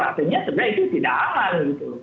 artinya sebenarnya itu tidak aman gitu